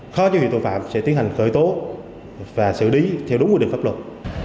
khó chứa việc tội phạm sẽ tiến hành khởi tố và xử lý theo đúng quy định pháp luật